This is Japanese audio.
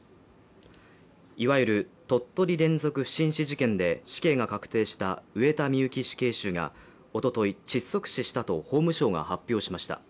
いわゆる鳥取連続不審死事件で死刑が確定した上田美由紀死刑囚がおととい窒息死したと法務省が発表しました。